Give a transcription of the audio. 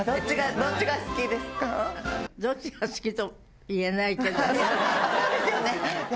どっちが好きと言えないけどそうですよね。